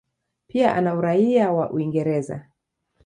Pia ana uraia wa Uingereza.